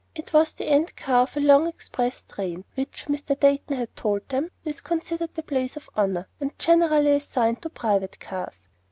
It was the end car of a long express train, which, Mr. Dayton told them, is considered the place of honor, and generally assigned to private cars.